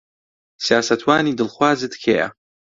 سیاسەتوانی دڵخوازت کێیە؟